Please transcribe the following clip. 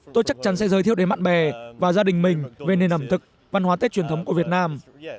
tôi chắc chắn sẽ giới thiệu đến bạn bè và gia đình mình về nền ẩm thực văn hóa tết truyền thống của việt nam